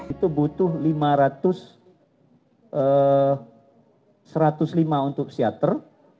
itu butuh lima ratus satu ratus lima untuk seater